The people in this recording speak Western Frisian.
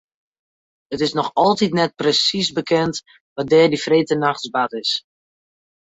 It is noch altyd net presiis bekend wat der dy freedtenachts bard is.